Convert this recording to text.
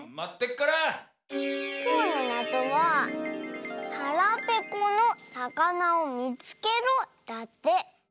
きょうのなぞは「はらぺこのさかなをみつけろ」だって。